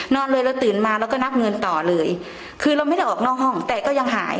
นอนเลยเราตื่นมาเราก็นับเงินต่อเลยคือเราไม่ได้ออกนอกห้องแต่ก็ยังหาย